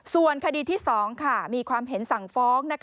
ส่วนคดีที่๒มีความเห็นสั่งฟ้อง